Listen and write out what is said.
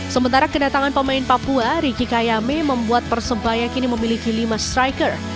sementara kedatangan pemain papua riki kayame membuat persebaya kini memiliki lima striker